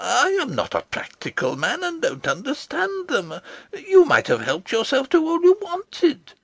I am not a practical man and don't understand them. You might have helped yourself to all you wanted.